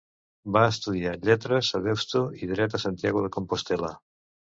Va estudiar Lletres a Deusto i Dret a Santiago de Compostel·la.